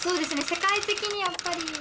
世界的にやっぱり。